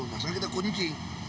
nah sekarang kita kunci